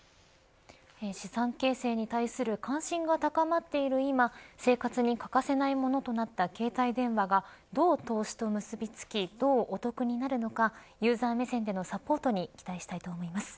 資産形成に対する関心が高まっている今生活に欠かせないものとなった携帯電話がどう投資と結び付きどうお得になるのかユーザー目線でのサポートに期待したいと思います。